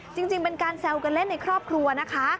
จริงเป็นการแซวกันเล่นในครอบครัวนะคะ